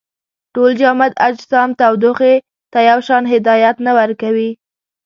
ټول جامد اجسام تودوخې ته یو شان هدایت نه ورکوي.